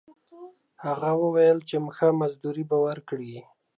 هغه وویل چې ښه مزدوري به ورکړي.